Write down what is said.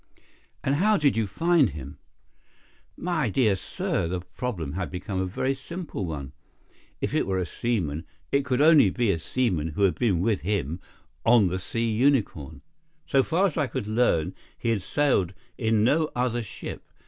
"And how did you find him?" "My dear sir, the problem had become a very simple one. If it were a seaman, it could only be a seaman who had been with him on the Sea Unicorn. So far as I could learn he had sailed in no other ship.